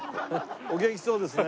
お元気そうですね。